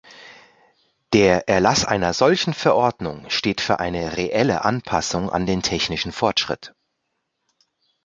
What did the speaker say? Der Erlass einer solchen Verordnung steht für eine reelle Anpassung an den technischen Fortschritt.